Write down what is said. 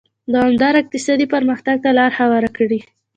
دوامداره اقتصادي پرمختګ ته لار هواره کړي.